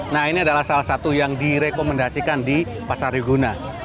nah ini adalah salah satu yang direkomendasikan di pasar reguna